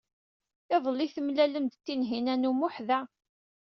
Iḍelli, temlalem-d Tinhinan u Muḥ da.